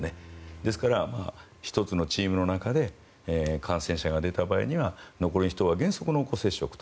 ですから、１つのチームの中で感染者が出た場合には残りの人は原則濃厚接触と。